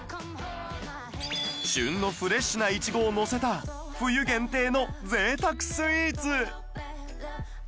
旬のフレッシュないちごをのせた冬限定の贅沢スイーツ